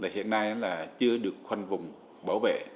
hiện nay chưa được khoanh vùng bảo vệ